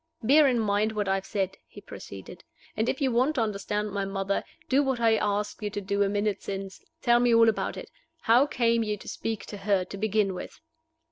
"Bear in mind what I have said," he proceeded; "and if you want to understand my mother, do what I asked you to do a minute since tell me all about it. How came you to speak to her, to begin with?"